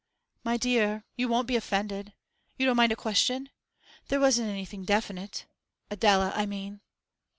'My dear, you won't be offended? You don't mind a question? There wasn't anything definite? Adela, I mean.